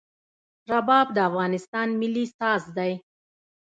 رباب د افغانستان ملي ساز دی.